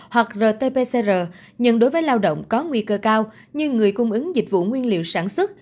hoặc rt pcr nhận đối với lao động có nguy cơ cao như người cung ứng dịch vụ nguyên liệu sản xuất